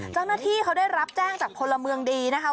เจ้าหน้าที่เขาได้รับแจ้งจากพลเมืองดีนะคะ